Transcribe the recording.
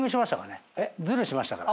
ずるしましたから。